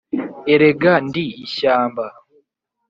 erega ndi ishyamba